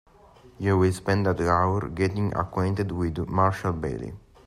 You will spend that hour getting acquainted with Marshall Bailey.